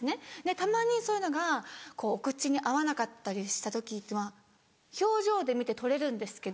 たまにそういうのがお口に合わなかったりした時は表情で見て取れるんですけど。